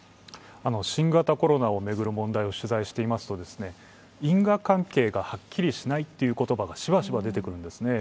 新型コロナを巡る問題を取材していますと、因果関係がはっきりしないっていう言葉がしばしば出てくるんですね。